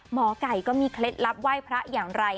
หมอไก่ก็มีเคล็ดลับไหว้พระอย่างไร